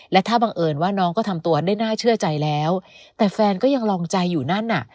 และถ้าบังเอิญว่าน้องก็ทำตัวได้น่าเชื่อใจแล้วแต่แฟนก็ยังลองใจอยู่นั่นน่ะ